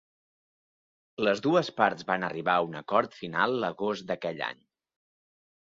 Les dues parts van arribar a un acord final l'agost d'aquell any.